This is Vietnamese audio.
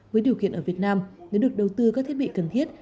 với điều kiện ở việt nam nếu được đầu tư các thiết bị cần thiết